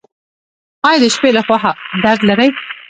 ایا د شپې لخوا درد لرئ؟